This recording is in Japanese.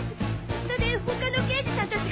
下で他の刑事さんたちが！